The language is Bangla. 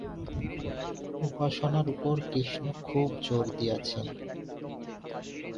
উপাসনার উপর কৃষ্ণ খুব জোর দিয়াছেন।